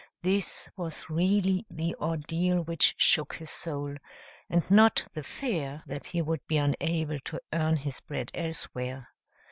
This was really the ordeal which shook his soul, and not the fear that he would be unable to earn his bread elsewhere.